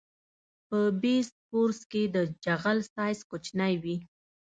په بیس کورس کې د جغل سایز کوچنی وي